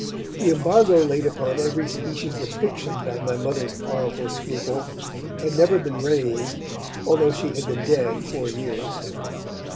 The embargo laid upon every species of fiction by my Mother's powerful scruple had never been raised, although she had been dead four years.